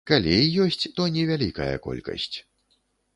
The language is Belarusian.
Калі і ёсць, то невялікая колькасць.